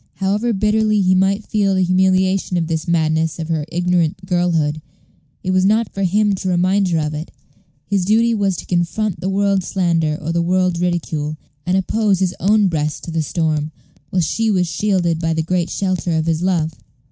However bitterly he might feel the humiliation of this madness of her ignorant girlhood, it was not for him to remind her of it; his duty was to confront the world's slander or the world's ridicule, and oppose his own breast to the storm, while she was shielded by the great shelter of his love.